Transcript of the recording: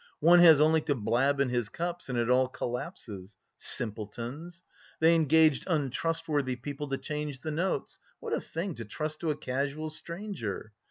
One has only to blab in his cups and it all collapses. Simpletons! They engaged untrustworthy people to change the notes what a thing to trust to a casual stranger!